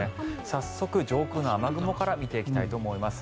早速、上空の雨雲から見ていきたいと思います。